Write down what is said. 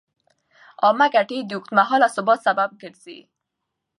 عامه ګټې د اوږدمهاله ثبات سبب ګرځي.